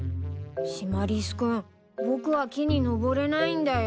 シマリス君僕は木に登れないんだよ。